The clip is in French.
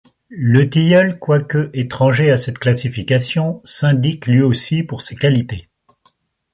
Le tilleul, quoique étranger à cette classification, s’indique lui aussi pour ses qualités.